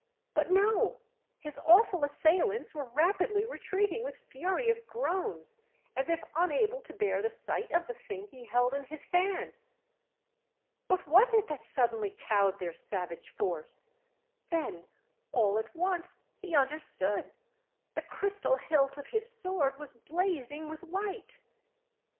But no ... his awful assailants were rapidly retreating with furious groans, as if unable to bear the sight of the thing he held in his hand! What was it that suddenly cowed their savage force? Then all at once he understood.... The crystal hilt of his sword was blazing with light!